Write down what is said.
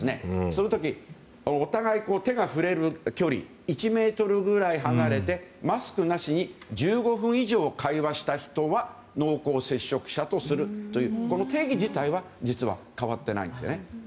その時、お互い、手が触れる距離１ｍぐらい離れて、マスクなしに１５分以上に会話した人は濃厚接触者とするとこの定義自体は実は変わってないんですよね。